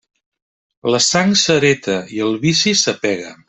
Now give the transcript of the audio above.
La sang s'hereta i el vici s'apega.